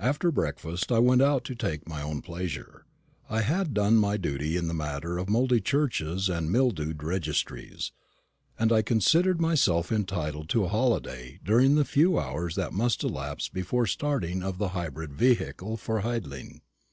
After breakfast I went out to take my own pleasure. I had done my duty in the matter of mouldy churches and mildewed registries; and I considered myself entitled to a holiday during the few hours that must elapse before the starting of the hybrid vehicle for Hidling.